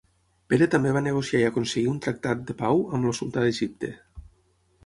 En Pere també va negociar i aconseguir un tractat de pau amb el sultà d'Egipte.